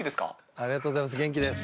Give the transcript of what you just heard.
ありがとうございます元気です。